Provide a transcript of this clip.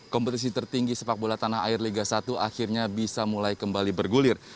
kompetisi tertinggi sepak bola tanah air liga satu akhirnya bisa mulai kembali bergulir